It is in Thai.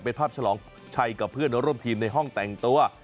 เป็นภาพฉลองชัยกับเพื่อนร่วมทีมในห้องแต่งตัว